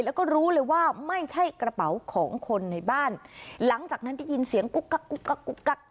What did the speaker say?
แล้วก็รู้เลยว่าไม่ใช่กระเป๋าของคนในบ้านหลังจากนั้นได้ยินเสียงกุ๊กกักกุ๊กกักกุ๊กกัก